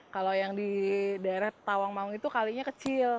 kalau yang di daerah tawangmang itu kalinya kecil